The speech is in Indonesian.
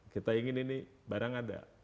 kita ingin ini barang ada